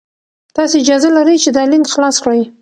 تاسي اجازه لرئ چې دا لینک خلاص کړئ.